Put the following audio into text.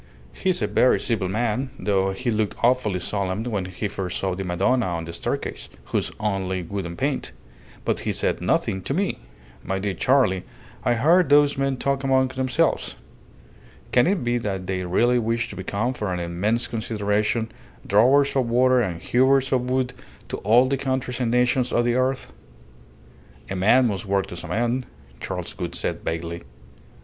He's a very civil man, though he looked awfully solemn when he first saw the Madonna on the staircase, who's only wood and paint; but he said nothing to me. My dear Charley, I heard those men talk among themselves. Can it be that they really wish to become, for an immense consideration, drawers of water and hewers of wood to all the countries and nations of the earth?" "A man must work to some end," Charles Gould said, vaguely.